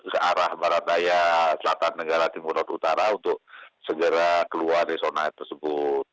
ke arah barat daya selatan negara timur laut utara untuk segera keluar dari zona tersebut